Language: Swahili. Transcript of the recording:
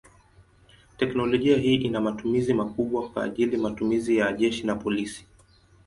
Teknolojia hii ina matumizi makubwa kwa ajili matumizi ya jeshi na polisi.